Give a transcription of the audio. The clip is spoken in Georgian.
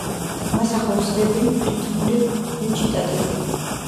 მას ახლავს რეპი, რითმული რეჩიტატივი.